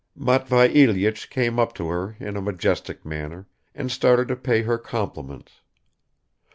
Matvei Ilyich came up to her in a majestic manner and started to pay her compliments.